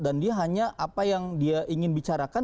dan dia hanya apa yang dia ingin bicarakan